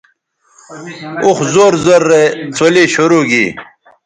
اوخ زور زور رے څلے شروع گی